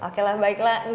oke lah baiklah